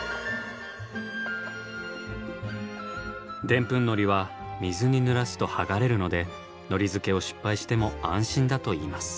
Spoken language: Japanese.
デンプンのりは水にぬらすと剥がれるのでのりづけを失敗しても安心だといいます。